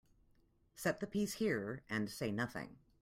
Set the piece here and say nothing.